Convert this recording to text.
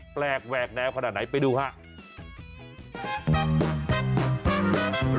แปลกแหวกแนวขนาดไหนไปดูครับ